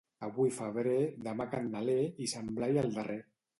Avui febrer, demà Candeler i Sant Blai el darrer.